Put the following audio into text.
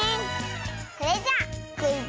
それじゃクイズ